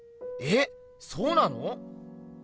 えそうなの？